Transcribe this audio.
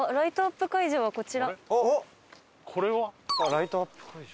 「ライトアップ会場」。